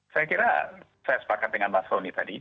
saya kira saya sepakat dengan pak soni tadi